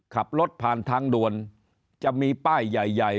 ขับรถผ่านทางด่วนจะมีป้ายใหญ่ใหญ่